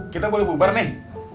kita boleh bubar nih